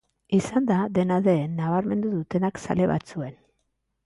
Izan da, dena den, nabarmendu dutenak zale batzuen.